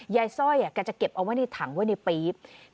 ยายซ่อยจะเก็บเอาไว้ในถังไว้ในปี๊บ